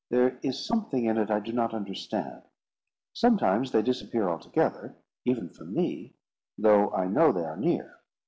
"There is something in it I do not understand. Sometimes they disappear altogether, even from me, though I know they are near.